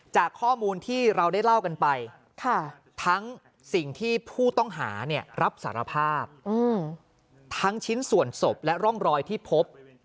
จากข้อมูลที่เราได้เล่ากันไปทั้งสิ่งที่ผู้ต้องหารับสารภาพทั้งชิ้นส่วนศพและร่องรอยที่พบ